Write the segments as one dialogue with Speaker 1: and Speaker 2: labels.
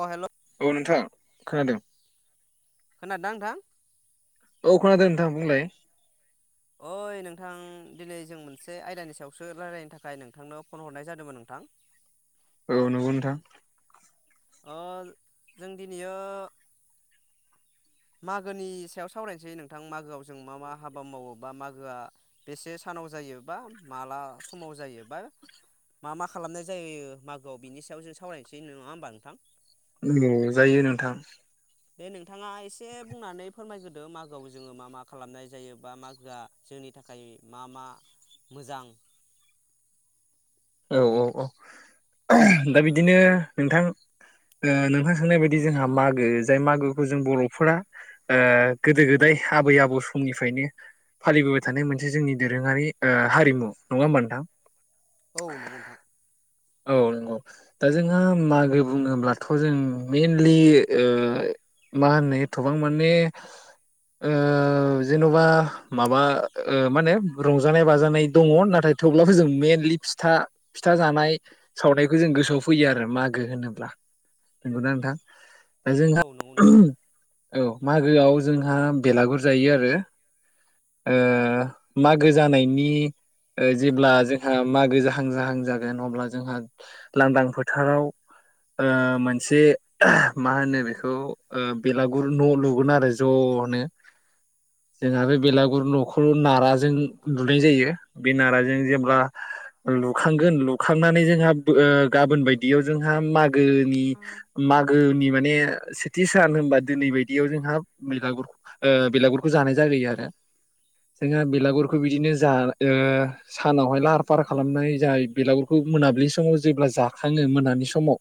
Speaker 1: अ हेल'।
Speaker 2: औ नोंथां खोनादों।
Speaker 1: खोना दोंना नोंथां।
Speaker 2: औ खोनादों नोंथां बुंलाय।
Speaker 1: ओइ नोंथां दिनै जों मोनसे आयदानि सायावसो रायजलायनो थाखाय नोंथांनाव फन हरनाय जादोंमोन नोंथां। [inaudible]
Speaker 2: औ नंगौ नोंथां।
Speaker 1: ओ जों दिनैयो। मागोनि सायाव सावरायनोसै नोंथां मागोआव जों मा मा हाबा मावोब बा मागोआ बेसे सान सानाव जायोबा माला समाव जायोबा मा मा खालामनाय जायो मागोआव बिनि सायाव जों सावरायनोसै नङा होमबा नोंथां
Speaker 2: औ जायो नोंथां
Speaker 1: बे नोंथाङा एसे बुंनानै फोरमायग्रोदो मागोआव जोङो मा मा खालामनाय जायो बा मागोआ जों जोंनि थाखाय मा मा मोजां
Speaker 2: औ औ औ दा बिदिनो नोंथां नोंथां साननाय बायदि जोंहा मागो जाय मागोखौ जों बर'फोरा गोदो गोदाय आबै आबौ समनिफ्रायनो फालिबोबाय थानाय मोनसे जोंनि दोरोङारि हारिमु नङा होमबा नोंथां
Speaker 1: औ नंगौ नोंथां
Speaker 2: औ नंगौ दा जोंहा मागो बुङोब्लाथ' जों मेनलि ओ मा होनो थबां माने ओ जेनेबा माबा ओ मा होनो रंजानाय बाजानाय दङ नाथाय थेवब्लाबो जों मेनलि फिथा फिथा जानाय सावनायखौ जों गोसोआव फैयो आरो मागो होनोब्ला। नंगौ ना नोंथां? दा
Speaker 1: औ
Speaker 2: जोंहा
Speaker 1: नंगौ नोंथां।
Speaker 2: औ मागोआव जोंहा बेलागुर जायो आरो ओ मागो जानायनि जेब्ला जोंहा मागो जा जाहां जाहां जागोन अब्ला जोंहा लांदां फोथाराव ओ मोनसे मा होनो बेखौ बेलागुर न' लुगोन आरो ज'। ज'नो जोंहा बे बेलागुर न'खौ नाराजों लुनाय जायो बे नाराजों जेनेब्ला लुखांगोन लुखांनानै जोंहा गाबोन बायदियाव जोंहा मागो मागोनि माने माने सेथि सान होनबा दिनै बायदियाव जोंहा बेलागुर ओ बेलागुरखौ जानाय जायो आरो जोंहा बेलागुरखौ बिदिनो जा ओ सानावहाय लाहार फाहार खालामनानै जाय बेलागुरखौ मोनाबिलि समाव जेब्ला जाखाङो मोनानि समाव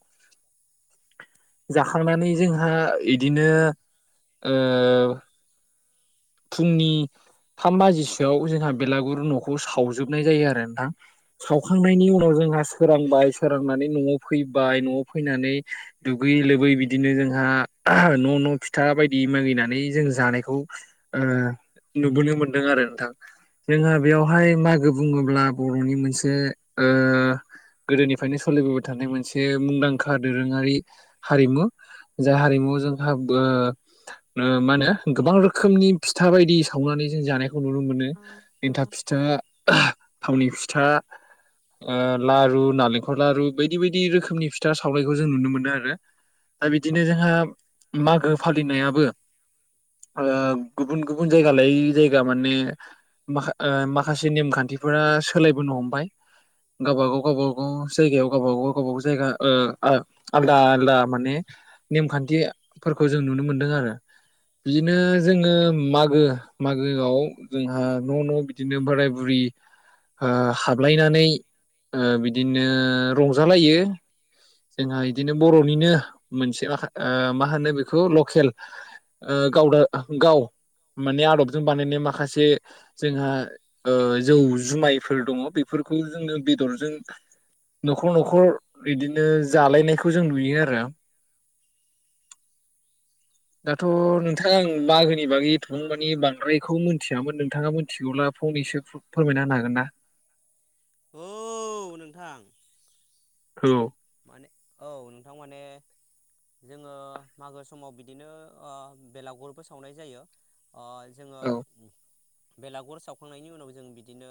Speaker 2: जाखांनानै जोंहा इदिनो फुंनि थाम बाजिसोआव जोंहा बेलागुर न'खौ सावजोबनाय जायो आरो नोंथां। सावखांनायनि उनाव जोंहा सोरांबाय सोरांनानै न'आव फैबाय न'आव फैनानै दुगै दुगै लोबै बिदिनो जोंहा न' न' फिथा बायदि मागिनानै जों जानायखौ ओ नुबोनो मोनदों आरो नोंथां। जोंहा बेवहाय मागो बुङोब्ला बर'नि मोनसे ओ गोदोनिफ्रायनो सोलिबोबाय थानाय मोनसे मुंदांखा दोरोङारि हारिमु जा हारिमु जोंहाबो मा होनो गोबां रोखोमनि फिथा बायदि सावनानै जों जानायखौ नुनो मोनो
Speaker 1: नोंथां।
Speaker 2: एन्थाब फिथा थावनि फिथा लारु नालेंखर लारु बायदि बायदि रोखोमनि फिथा सावनायखौ जों नुनो मोनो आरो दा बिदिनो जोंहा मागो फालिनायाबो ओ गुबुन गुबुन जायगालायै जायगा माने माखा ओ माखासे नेमखान्थिफोरा सोलायबोनो हमबाय गावब गाव गावब गाव जायगायाव गावबा गाव गावबा गाव जायगा ओ आलदा आलदा माने नेमखान्थिफोरखौ जों नुनो मोनदों आरो बिदिनो जोङो मागो मागोआव जोंहा न' न' बिदिनो बोराय बुरि हाबलायनानै ओ बिदिनो रंजालायो। जोंहा बिदिनो बर'निनो मोनसे मा होनो बेखौ लकेल गावदो गाव माने आदबजों बानायनाय माखासे जोंहा ओ जौ जुमायफोर दङ बेफोर बेफोरखौ जोङो बेदरजों न'खर न'खर बिदिनो बिदिनो जालायनायखौ जों नुयो आरो।
Speaker 1: [unintelligible]
Speaker 2: दाथ' नोंथां आं मागोनि बागै एथबां माने बांद्रायखौ मिथियामोन नोंथाङा मिथिगौब्ला फंनैसो फोरमायना होनो हागोन ना?
Speaker 1: औ नोंथां।
Speaker 2: औ
Speaker 1: औ माने नोंथां माने जोङो मागो समाव बिदिनो ओ बेलागुरबो सावनाय जायो। ओ जोङो बेलागुर सावखांनायनि उनाव जों बिदिनो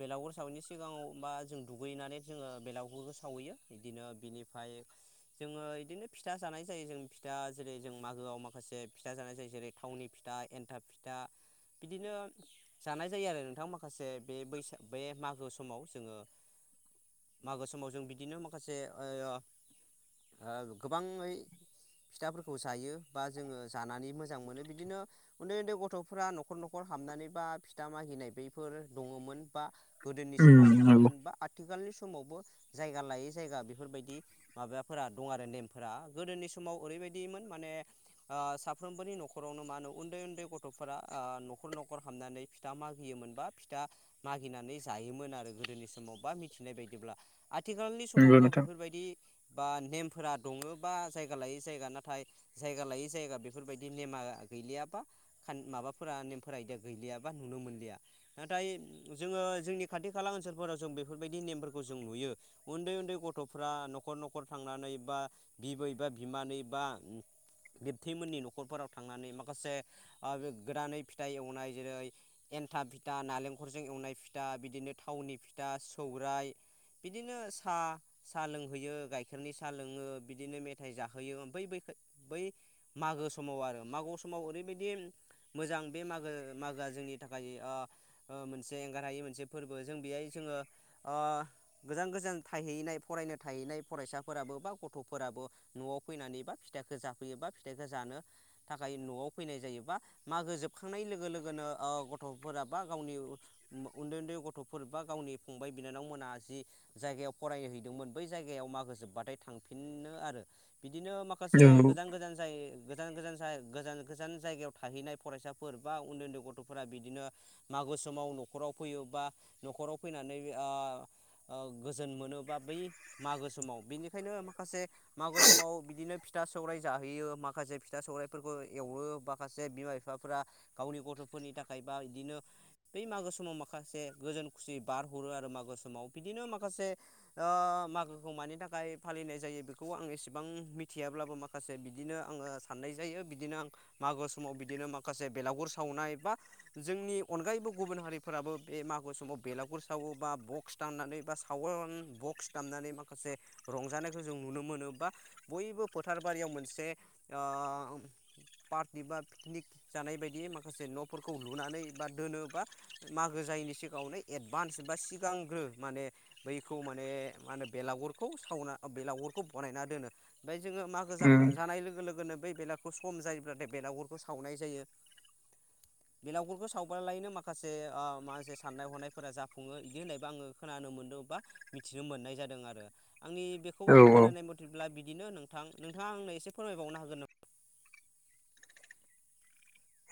Speaker 1: बेलागुर सावैनि सिगाङाव बा जों दुगैनानै जोङो बेलागुरखौ सावहैयो। बिदिनो बिनिफ्राय जोङो बिदिनो फिथा जानाय जायो। जों फिथा जेरै जों मागोआव माखासे से फिथा जानाय जायो जेरै थावनि फिथा एन्थाब फिथा बिदिनो जानाय जायो आरो नोंथां माखासे बे बैसाग बे मागो समाव जोङो। मागो समाव जों बिदिनो माखासे ओ गोबांयै फिथाफोरखौ जायो बा जोङो जानानै मोजां मोनो बिदिनो उन्दै उन्दै गथ'फोरा न'खर न'खर थांनानै बा फिथा मागिनाय बैफोर दङमोन बा गोदोनि समाव
Speaker 2: उम नंगौ
Speaker 1: दङमोन बा आथिखालनि समावबो जायगा लायै जायगा बेफोरबायदि माबाफोरा दं आरो नेमफोरा गोदोनि समाव ओरैबायदिमोन माने ओ साफ्रोमबोनि न'खरावनो मा होनो उन्दै उन्दै गथ'फोरा न'खर न'खर हाबनानै फिथा मागि होयोमोन। फिथा मागिनानै जायोमोन आरो गोदोनि समाव बा मिथिनाय बायदिब्ला आथिखालाव
Speaker 2: नंगौ
Speaker 1: समावबो
Speaker 2: नोंथां
Speaker 1: बेफोरबायदि बा नेमफोरा दङोबा जायगा लायै जायगा नाथाय जायगा लायै जायगा बेफोरबायदि नेमा गैया। गैलिया बा माबाफोरा नेमफोरायदिया गैलिया बा नुनो मोनलिया नाथाय जोङो जोंनि खाथि खाला ओनसोलफोराव जों बेफोरबायदि नेमफोरखौ जों नुयो उन्दै उन्दै गथ'फ्रा न'खर न'खर थांनानै बा बिबै बा बिमानै बा बेबथैमोननि न'खरफोराव थांनानै माखासे गोदानै फिथाइ एवनाय जेरै एन्था फिथा नालेंखरजों एवनाय फिथा बिदिनो थावनि फिथा सौरायाइ बिदिनो साहा साहा लोंहैयो गाइखेरनि साहा लोङो बिदिनो मेथाइ जाहोयो बै मागो समाव आरो मागो समाव ओरैबायदि मोजां बे मागो मागोआ जोंनि थाखाय ओ मोनसे एंगार हायै मोनसे फोरबो जों बेहाय जोङो ओ गोजान गोजान थाहैनाय फरायनो थाहैनाय फरायसाफोराबो बा गथ'फोराबो न'आव फैनानै बा फिथाइखौ जाफैयो बा फिथाखौ जा थाखाय न'आव फैनाय जायोबा मागो जोबखांनाय लोगो लोगोनो गथ'फोराबा गावनि उन्दै उन्दै गथ'फोर बा गावनि फंबाय बिनानावमोना जि जायगायाव फरायहै मोन बै जायगायाव मागो जोब्बाथाय थांफिनो आरो बिदिनो माखासे
Speaker 2: औ
Speaker 1: गोजान गोजान जाय गोजान गोजान गोजान गोजान जायगायाव थाहैनाय फरायसाफोर बा उन्दै उन्दै गथ'फोरा बिदिनो मागो समाव न'खराव फैयो बा न'खराव फैनानै ओ गोजोन मोनो बा बै मागो समाव बेनिखायनो माखासे मागो समाव बिदिनो फिथा सौराय जाहैयो माखासे माखासे फिथा सौराइफोरखौ एवो माखासे बिमा बिफाफोरा गावनि गथ'फोरनि थाखाय बा बिदिनो बै मागो समाव माखासे गोजोन खुसि बारहरो आरो मागो समाव बिदिनो माखासे ओ मागोखौ मानि थाखाय फालिनाय जायो बेखौ आं एसेबां मिथियाब्लाबो माखासे बिदिनो आं साननाय जायो बिदिनो आ मागो समाव बिदिनो माखासे बेलागुर सावनाय बा जोंनि अनगायैबो गुबुन हारिफोराबो बे मागो समाव बेलागुर सावो बा बक्स दाननानै बा सावोन बक्स दामनानै माखासे रंजानायखौ जों नुनो मोनो बा बयबो फोथार बारियाव मोनसे ओ पार्टि बा पिकनिक जानाय बायदि माखासे न'फोरखौ लुनानै बा दोनोबा मागो जायैनि सिगाङावनो एडभान्स बा सिगांग्रो माने बैखौ मा माने मा होनो बेलागुरखौ सावना बेलागुरखौ बानायना दोनो। जोङो मागो जाख
Speaker 2: उम
Speaker 1: जानाय लोगो लोगोनो। बै बेलागखौ सम जायोब्लाथाय बेलागुरखौ सावनाय जायो। बे लावगुरखौ सावबा लायनो माखासे माखासे साननाय हनायफोरा जाफुङो बिदि होननायबो आङो खोनानो मोनदों। बा मिथिनो मोननाय जादों आरो आंनि बेखौ
Speaker 2: औ औ
Speaker 1: खोनानाय मथेब्ला बिदिनो नोंथां नोंथाङा आंनो एसे फोर मायबावनो हागोन नामा?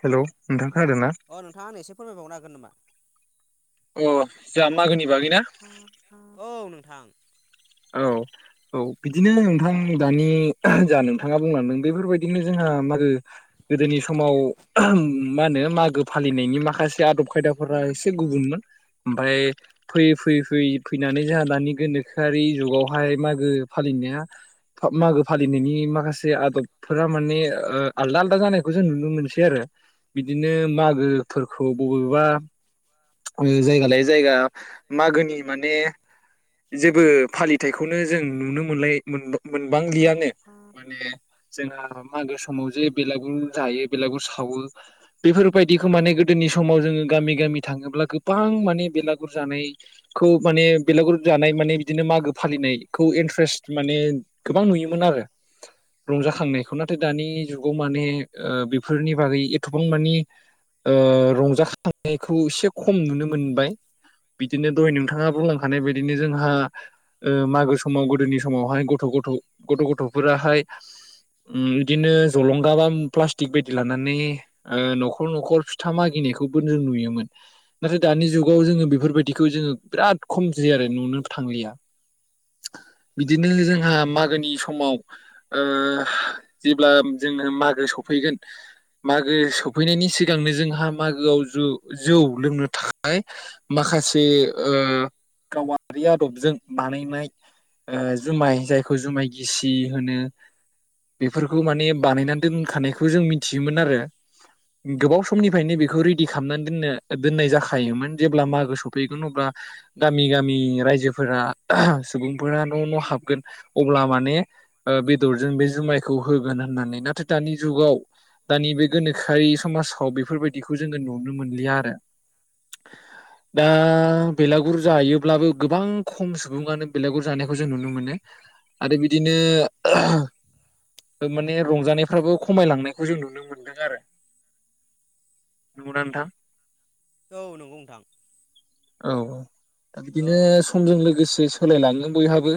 Speaker 2: हेलौ नोंथां। खोनादों ना?
Speaker 1: अ नोंथाङा आं एसे फोरमायबावनो हागोन नामा?
Speaker 2: औ जोंहा मागोनि बागैना?
Speaker 1: औ नोंथां
Speaker 2: औ औ बिदिनो नोंथां दानि जा नोंथाङा बुंलांदों बेफोरबायदिनो जोंहा मागो गोदोनि समाव मा होनो मागो फालिनायनि माखासे आदब खायदाफोरा एसे गुबुनमोन। ओमफाय फैयै फैयै फैयै फैनानै जोंहा दानि गोनोखोआरि जुगावहाय मागो फालिनाया फा- मागो फालिनायनि माखासे आदबफोरा माने ओ आलदा आलदा जानायखौ जों नुनो मोनसै आरो। बिदिनो मागोफोरखौ बबेबा ओ जायगा लायै जायगा मागोनि माने जेबो फालिथायखौनो जों नुनो मोनलाय मोनबांलियानो माने जोंहा। मागो समाव जे बेलागुर जायो बेलागुर सावो बेफोरबायदिखो माने गोदोनि समाव जो गामि गामि थाङोब्ला गोबां माने बेलागुर जानायखौ माने बेलागुर जानाय माने बि दिनो मागो फालिनायखौ इन्ट्रेस्ट माने गोबां नुयोमोन आरो। रंजाखांनायखौ नाथाय दानि जुगाव माने ओ बेफोरनि बागै एथबां माने ओ रंजाखांनायखौ एसे खम नुनो मोनबाय। बिदिनो दहाय नोंथाङा बुंलांखानाय बायदिनो जोंहा ओ मागो समाव गोदोनि समावहाय गथ' गथ' गथ' गथ'फोराहाय उम बिदिनो जलंगा बा प्लास्टिक बायदि लानानै ओ न'खर न'खर फिथा मागि नायखोबो नों नुयोमोन। नाथाय दानि जुगाव जोङो बेफोरबायदिखौ जोङो बिराद खम जायो आरो नुनो थांलिया। बिदिनो जोंहा मागोनि समाव ओ जेब्ला जोङो मागो सफैगोन। मागो सफैनायनि सिगांनो जोंहा मागोआव जु- जौ लोंनो थाखाय माखा खासे ओ गावा रि आदबजों बानायनाय ओ जुमाय जायखौ जुमाय गिसि होनो। बेफोरखौ माने बानायनानै दोनखानायखौ जों मिथियोमोन आरो। गोबाव समनिफ्रायनो बेखौ रिदि खालामनानै दोननो दोननाय जाखायोमोन जेब्ला मागो सफैगोन अब्ला गामि गामि रायजोफोरा सुबुंफोरा न' न' हाबगोन अब्ला माने ओ बेदरजों बे जु माइखौ होगोन होननानै नाथाय दानि जुगाव। दानि बे गोनोखोआरि समाजाव बेफोरबायदिखौ जोङो नुनो मोनलिया आरो। दा बेलागुर जायोब्लाबो गोबां खम सुबुङानो बेलेगुर जानायखौ जों नुनो मोनो आरो बिदिनो माने रंजानायफ्राबो खमायलांनायखौ जों नुनो मोनदों आरो। नंगौना नोंथां?
Speaker 1: औ नंगौ नोंथां।
Speaker 2: औ दा
Speaker 1: औ
Speaker 2: बिदिनो समजों लोगोसे सोलायलाङो बयहाबो।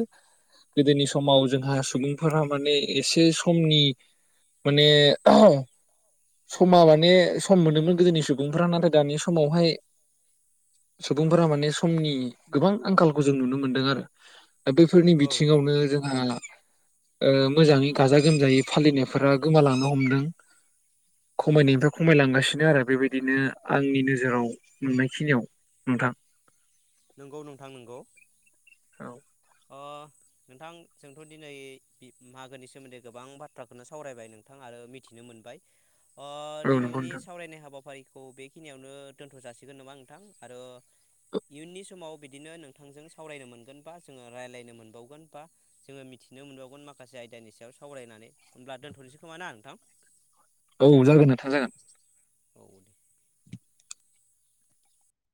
Speaker 2: गोदोनि समाव जोंहा सुबुंफोरा माने एसे समनि माने समा माने सम मोनोमोन गोदोनि सुबुंफोरा नाथाय दानि समावहाय सुबुंफोरा माने समनि गोबां आंखालखौ जों नुनो मोनदों आरो। दा बेफोरनि
Speaker 1: औ
Speaker 2: बिथिङावनो जोंहा [inaudible] ओ मोजाङै गाजा गोमजायै फालिनायफोरा गोमालांनो हमदों। खमायनायनिफ्राय खमायलांगासिनो आरो बेबायदिनो आंनि नोजोराव मोननाय खिनियाव। नोंथां।
Speaker 1: नंगौ नोंथां नंगौ।
Speaker 2: औ
Speaker 1: नोंथां जोंथ' दिनै मागोनि सोमोन्दै गोबां बाथ्राखोनो सावरायबाय नोंथां आरो मिथिनो मोनबाय ओ
Speaker 2: औ नंगौ
Speaker 1: दिनैनि
Speaker 2: नोंथां
Speaker 1: सावरायनाय हाबाफ फारिखौ बेखिनियावनो दोनथ' जासिगोन नामा नोंथां आरो। इयुननि समाव बिदिनो नोंथांजों सावरायनो मोनगोन बास जोंङो राय्लायनो मोनबावगोन बा जोङो मिथिनो मोनबावगोन माखासे आयदानि सायाव सावरायनानै उब्ला दोनथ' खोमाना आ नोंथां।
Speaker 2: औ जागोन नोंंथां जागोन
Speaker 1: औ दे